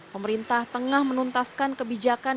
pemerintah tengah menuntaskan kebijakan